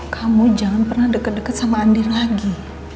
kamu jangan pernah deket deket sama andi lagi